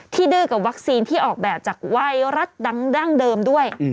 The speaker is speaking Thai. ดื้อกับวัคซีนที่ออกแบบจากไวรัสดั้งเดิมด้วย